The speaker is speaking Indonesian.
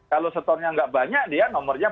kalau setornya nggak banyak dia nomornya